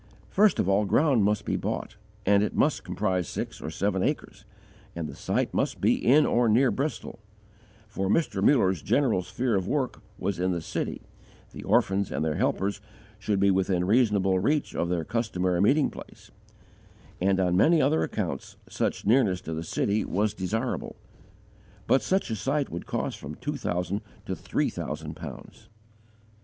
First of all, ground must be bought, and it must comprise six or seven acres, and the site must be in or near Bristol; for Mr. Muller's general sphere of work was in the city, the orphans and their helpers should be within reasonable reach of their customary meeting place, and on many other accounts such nearness to the city was desirable. But such a site would cost from two thousand to three thousand pounds.